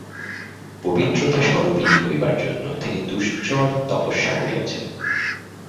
পবিত্রতা স্বরূপিণী হইবার জন্য তিনি দুশ্চর তপস্যা করিয়াছেন।